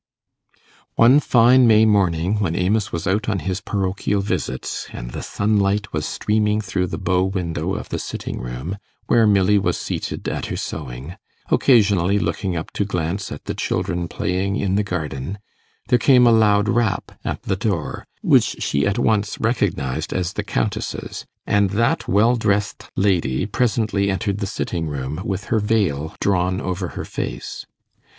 One fine May morning, when Amos was out on his parochial visits, and the sunlight was streaming through the bow window of the sitting room, where Milly was seated at her sewing, occasionally looking up to glance at the children playing in the garden, there came a loud rap at the door, which she at once recognized as the Countess's, and that well dressed lady presently entered the sitting room, with her veil drawn over her face.